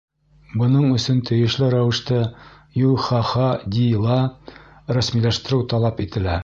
Бының өсөн тейешле рәүештә ЮХХДИ-ла рәсмиләштереү талап ителә.